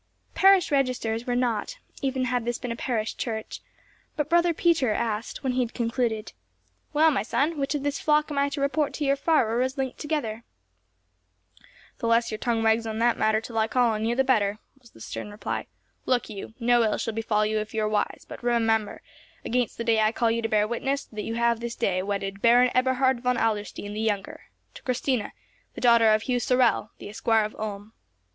Parish registers were not, even had this been a parish church, but Brother Peter asked, when he had concluded, "Well, my son, which of his flock am I to report to your Pfarrer as linked together?" "The less your tongue wags on that matter till I call on you, the better," was the stern reply. "Look you, no ill shall befall you if you are wise, but remember, against the day I call you to bear witness, that you have this day wedded Baron Eberhard von Adlerstein the younger, to Christina, the daughter of Hugh Sorel, the Esquire of Ulm."